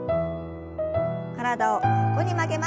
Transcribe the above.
体を横に曲げます。